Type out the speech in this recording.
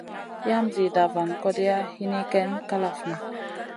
Yam zida van kodeya hini ken ma kalafna.